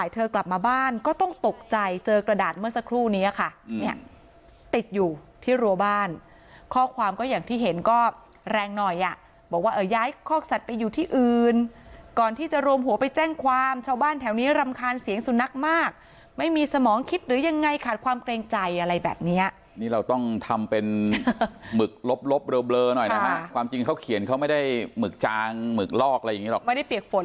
ต้องตกใจเจอกระดาษเมื่อสักครู่นี้ค่ะเนี่ยติดอยู่ที่รัวบ้านข้อความก็อย่างที่เห็นก็แรงหน่อยอ่ะบอกว่าเออย้ายคอกสัตว์ไปอยู่ที่อื่นก่อนที่จะโรมหัวไปแจ้งความชาวบ้านแถวนี้รำคาญเสียงสุนัขมากไม่มีสมองคิดหรือยังไงขาด